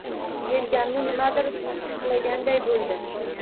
Yelkamni nimadir qitiqlaganday bo‘ldi.